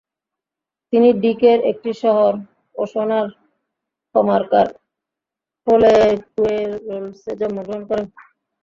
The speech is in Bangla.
তিনি ভিকের একটি শহর, ওসোনার কমারকার ফোলেকুয়েরোলসে জন্মগ্রহণ করেন।